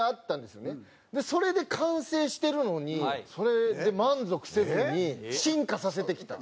それで完成してるのにそれで満足せずに進化させてきた。